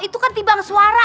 itu kan tibang suara